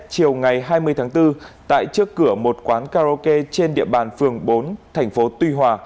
chiều ngày hai mươi tháng bốn tại trước cửa một quán karaoke trên địa bàn phường bốn thành phố tuy hòa